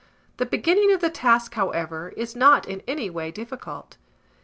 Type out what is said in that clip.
The beginning of the task, however, is not in any way difficult.